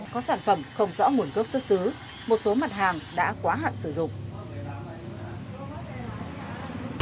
có sản phẩm không rõ nguồn gốc xuất xứ một số mặt hàng đã quá hạn sử dụng